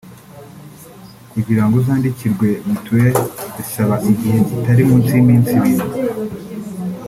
kugirango uzandikirwe mituweli bisaba igihe kitari munsi y’iminsi ibiri